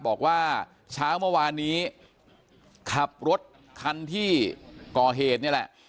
บอกว่าเช้าเมื่อวานนี้ขับรถคันที่ก่อเหตุนี่แหละ